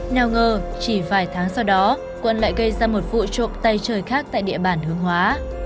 nào ngờ chỉ vài tháng sau đó quân lại gây ra một vụ trộm tay trời khác tại địa bàn hướng hóa